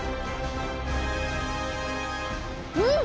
うん！